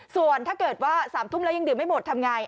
ส่วนถ้าเกิดว่า๓ทุ่มแล้วยังดื่มไม่หมดทำไง